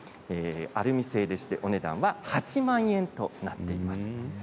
アルミ製で、お値段は８万円となっています。